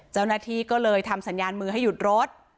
เจ้าหน้าที่ก็เลยทำสัญญาณมือให้หยุดรถ